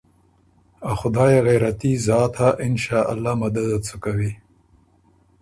ا خدایٛ يې غېرتي ذات هۀ انشأالله مدد ت سُو کوی۔